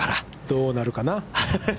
どうなるかな？